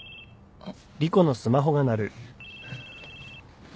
あっ。